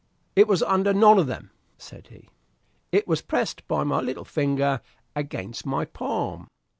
"It was under none of them," said he; "it was pressed by my little finger against my palm."